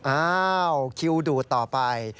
อ้าวคิวดูดต่อไป